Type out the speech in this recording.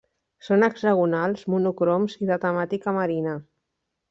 Són hexagonals, monocroms i de temàtica marina.